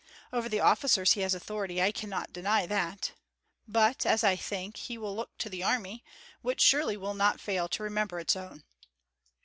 Over the officers he has authority, I cannot deny that; but, as I think, he will look to the army, which surely will not fail to remember its own.